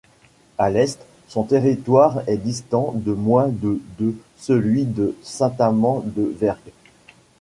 À l'est, son territoire est distant de moins de de celui de Saint-Amand-de-Vergt.